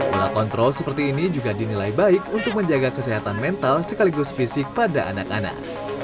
pola kontrol seperti ini juga dinilai baik untuk menjaga kesehatan mental sekaligus fisik pada anak anak